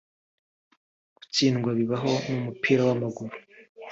Gutsindwa bibaho mu mupira w’amaguru